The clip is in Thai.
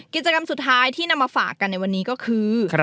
กิจกรรมสุดท้ายที่นำมาฝากกันในวันนี้ก็คือ